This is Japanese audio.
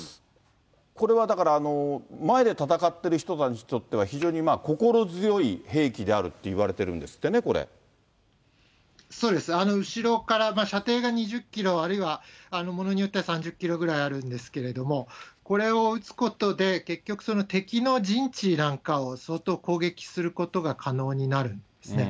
これはだから、前で戦っている人にとっては非常に心強い兵器であるっていうふうそうです、後ろから射程が２０キロ、あるいはものによっては３０キロぐらいあるんですけれども、これを撃つことで、結局、その敵の陣地なんかを相当攻撃することが可能になるんですね。